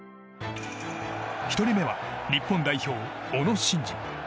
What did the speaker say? １人目は日本代表、小野伸二。